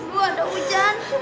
gue ada hujan